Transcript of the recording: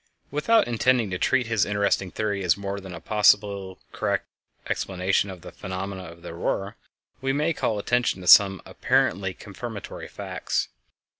Without intending to treat his interesting theory as more than a possibly correct explanation of the phenomena of the Aurora, we may call attention to some apparently confirmatory facts.